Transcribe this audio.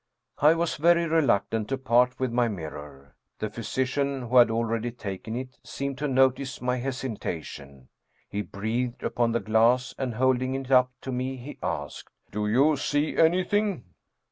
I was very reluctant to part with my mirror. The phy sician, who had already taken it, seemed to notice my hesi tation. He breathed upon the glass and holding it up to me, he asked: " Do you see anything?"